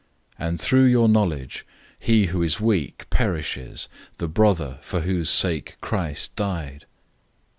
008:011 And through your knowledge, he who is weak perishes, the brother for whose sake Christ died.